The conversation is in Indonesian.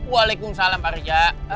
waalaikumsalam pak riza